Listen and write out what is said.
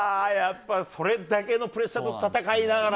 それだけのプレッシャーと戦いながら